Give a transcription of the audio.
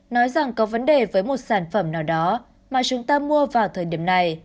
nói rằng có vấn đề với một sản phẩm nào đó mà chúng ta mua vào thời điểm này